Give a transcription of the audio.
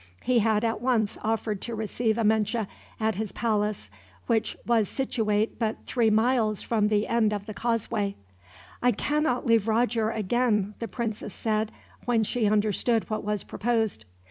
He had at once offered to receive Amenche at his palace, which was situate but three miles from the end of the causeway. "I cannot leave Roger again," the princess said, when she understood what was proposed.